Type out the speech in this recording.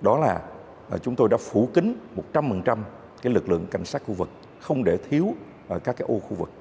đó là chúng tôi đã phủ kính một trăm linh lực lượng cảnh sát khu vực không để thiếu các ô khu vực